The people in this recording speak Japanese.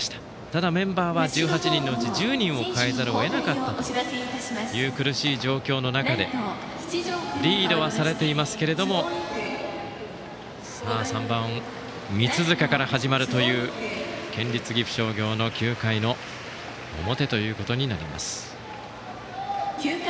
ただ、メンバーは１８人のうち１０人を変えざるを得なかったという苦しい状況の中でリードはされていますけれども３番、三塚から始まるという県立岐阜商業の９回の表です。